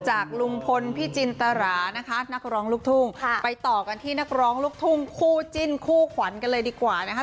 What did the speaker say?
จากลุงพลพี่จินตรานะคะนักร้องลูกทุ่งไปต่อกันที่นักร้องลูกทุ่งคู่จิ้นคู่ขวัญกันเลยดีกว่านะคะ